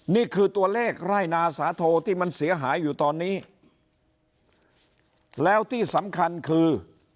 นี่คือตัวเลขไร่นาสาโทที่มันเสียหายอยู่ตอนนี้แล้วที่สำคัญคือ